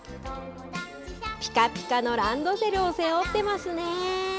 ぴかぴかのランドセルを背負ってますね。